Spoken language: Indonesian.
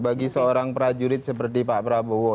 bagi seorang prajurit seperti pak prabowo